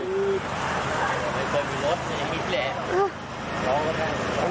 ใกล้ไม่พอยมีรถแต่มีในแรก